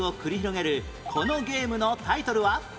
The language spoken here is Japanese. このゲームのタイトルは？